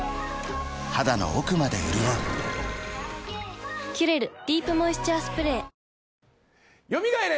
肌の奥まで潤う「キュレルディープモイスチャースプレー」甦れ！